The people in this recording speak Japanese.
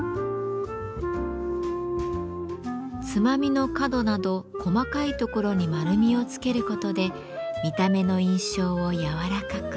つまみの角など細かいところに丸みをつけることで見た目の印象を柔らかく。